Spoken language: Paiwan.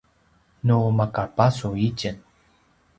nu maka basu itjen